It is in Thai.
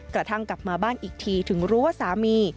กระทั่งกลับมาบ้านอีกทีถึงรู้ว่าสามี